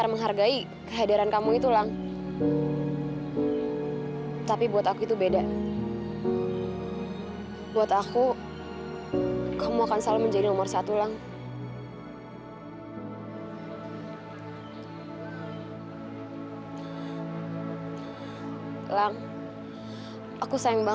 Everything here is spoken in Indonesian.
sampai jumpa di video selanjutnya